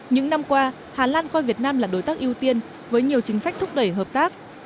những năm qua hà lan coi việt nam là đối tác ưu tiên với nhiều chính sách thúc đẩy hợp tác